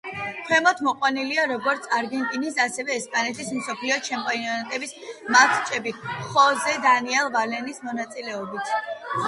ქვემოთ მოყვანილია როგორც არგენტინის, ასევე, ესპანეთის მსოფლიო ჩემპიონატების მატჩები ხოსე დანიელ ვალენსიას მონაწილეობით.